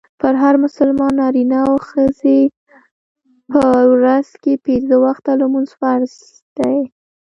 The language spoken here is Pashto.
پر هر مسلمان نارينه او ښځي په ورځ کي پنځه وخته لمونځ فرض دئ.